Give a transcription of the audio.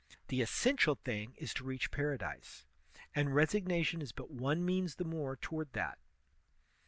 The essential thing is to reach paradise, and resignation is but one means the more toward that.